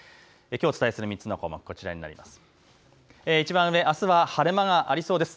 きょうお伝えする３つの項目、こちらになります。